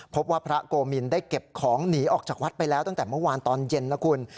พบว่าพระโกมินได้เก็บของหนีออกจากวัดไปแล้วตั้งแต่เมื่อวานตอนเย็นนะคุณ